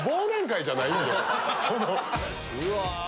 うわ！